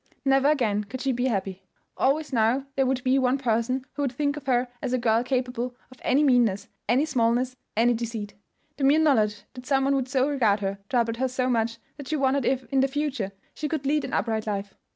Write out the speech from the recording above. Never again could she be happy. Always now there would be one person who would think of her as a girl capable of any meanness, any smallness, any deceit. The mere knowledge that someone would so regard her troubled her so much that she wondered if, in the future, she could lead an upright life.